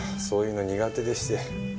そういうの苦手でして。